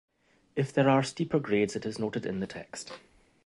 If there are steeper grades it is noted in the text.